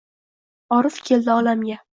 Orif keldi olamga.